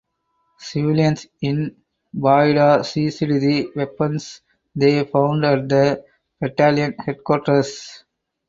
Civilians in Bayda seized the weapons they found at the battalion headquarters.